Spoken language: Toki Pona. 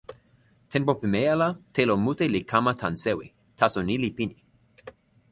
tenpo pimeja la telo mute li kama tan sewi, taso ni li pini.